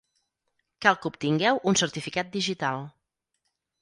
Cal que obtingueu un certificat digital.